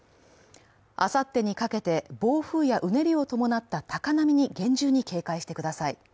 あさってにかけて暴風やうねりを伴った高波に厳重に警戒してください。